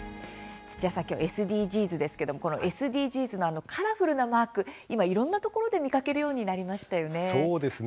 土屋さん、きょうＳＤＧｓですけどＳＤＧｓのカラフルなマーク今いろんなところで見かけるようになりましたよね。